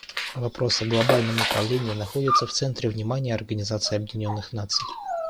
Вопрос о глобальном управлении находится в центре внимания Организации Объединенных Наций.